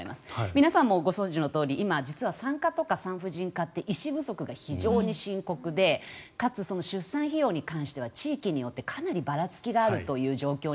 皆さんもご存じのとおり今、産科とか産婦人科って医師不足が非常に深刻でかつ、出産費用に関しては地域によってかなりばらつきがあると。